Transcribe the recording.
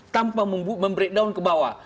tanpa membreakdown ke bawah